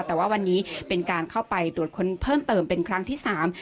แต่ว่าวันนี้เป็นการเข้าไปตรวจค้นเพิ่มเติมเป็นครั้งที่สาม